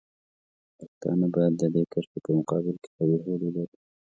پښتانه باید د دې کرښې په مقابل کې قوي هوډ ولري.